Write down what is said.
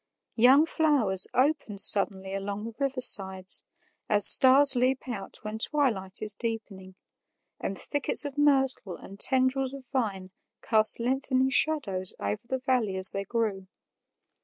Young flowers opened suddenly along the riversides, as stars leap out when twilight is deepening, and thickets of myrtle and tendrils of vine cast lengthening shadows over the valley as they grew.